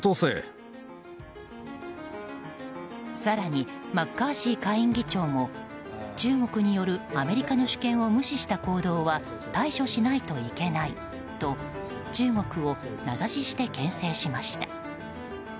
更にマッカーシー下院議長も中国によるアメリカの主権を無視した行動は対処しないといけないと中国を名指しして牽制しました。